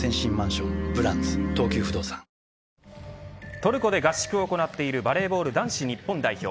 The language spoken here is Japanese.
トルコで合宿を行っているバレーボール男子日本代表